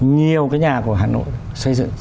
nhiều cái nhà của hà nội xây dựng